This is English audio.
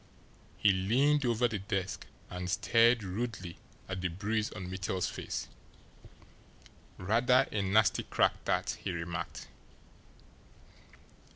He leaned over the desk and stared rudely at the bruise on Mittel's face. "Rather a nasty crack, that," he remarked.